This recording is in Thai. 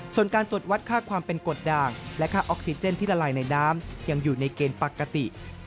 ส่วนการตรวจวัดค่าความเป็นกฎด่างและค่าออกซิเจนที่ละลายในน้ำยังอยู่ในเกณฑ์ปกติ